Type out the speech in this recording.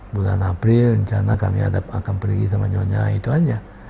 bulan april rencana kami akan pergi sama nyonya itu aja